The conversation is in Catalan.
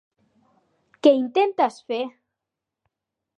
Què intentes fer?